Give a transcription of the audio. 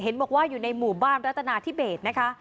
ในหมู่บ้านรัฐนาธิเบศนะคะ